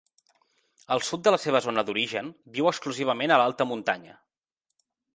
Al sud de la seva zona d'origen viu exclusivament a l'alta muntanya.